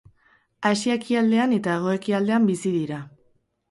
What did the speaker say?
Asia ekialdean eta hego-ekialdean bizi dira.